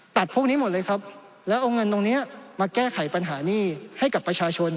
พวกนี้หมดเลยครับแล้วเอาเงินตรงนี้มาแก้ไขปัญหานี่ให้กับประชาชน